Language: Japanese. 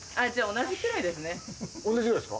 同じくらいですか？